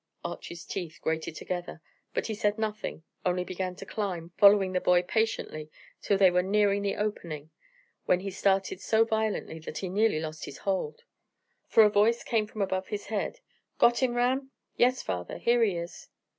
Archy's teeth grated together, but he said nothing, only began to climb, following the boy patiently till they were nearing the opening, when he started so violently that he nearly lost his hold. For a voice came from above his head, "Got him, Ram?" "Yes, father; here he is."